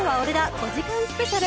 ５時間スペシャル。